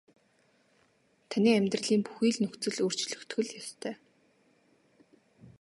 Таны амьдралын бүхий л нөхцөл өөрчлөгдөх л ёстой.